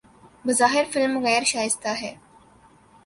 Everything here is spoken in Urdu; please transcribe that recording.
بظاہر فلم غیر شائستہ ہے